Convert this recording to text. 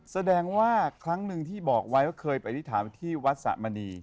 แสดงว่าครั้งหนึ่งที่บอกไว้ว่าเคยไปอธิษฐานที่วัดสะมณี